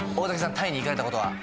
タイに行かれたことは？